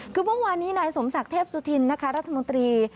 คือเมื่อวานนี้นายสมศักดิ์เทพสุธินนะคะรัฐมนตรี